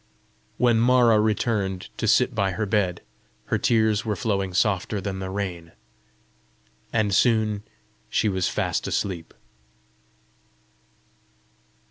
When Mara returned to sit by her bed, her tears were flowing softer than the rain, and soon she was fast asleep.